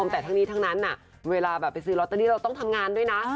แต่ทั้งนั้นเวลาไปซื้อล็อตเตอรี่ต้องทำงานด้วยนะ